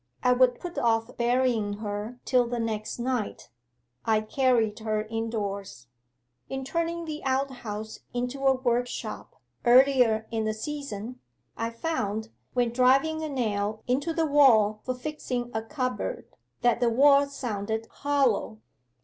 I would put off burying her till the next night. I carried her indoors. 'In turning the outhouse into a workshop, earlier in the season, I found, when driving a nail into the wall for fixing a cupboard, that the wall sounded hollow.